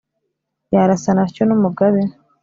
yarasana atyo n'umugabe